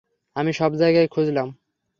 আমি সব জায়গায় খুঁজলাম।